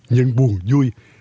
những buồn vui